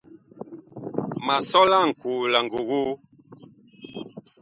Ma sɔ laŋkoo la ngogoo.